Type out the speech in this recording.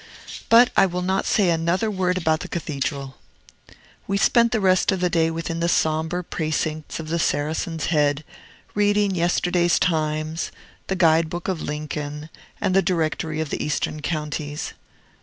But I will not say another word about the Cathedral. We spent the rest of the day within the sombre precincts of the Saracen's Head, reading yesterday's "Times," "The Guide Book of Lincoln," and "The Directory of the Eastern Counties."